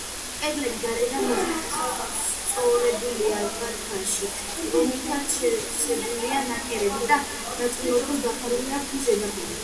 კედლები გარედან მოსწორებულია ბათქაშით, რომლითაც შევსებულია ნაკერები და ნაწილობრივ დაფარულია ქვის ზედაპირი.